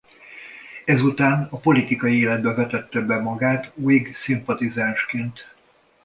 Ezután a politikai életbe vetette bele magát Whig-szimpatizánsként.